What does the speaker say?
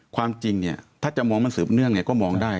ความจริงเนี่ยถ้าจะมองมันสืบเนื่องเนี่ยก็มองได้